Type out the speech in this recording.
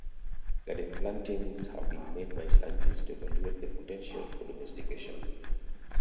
Garden plantings have been made by scientists to evaluate the potential for domestication.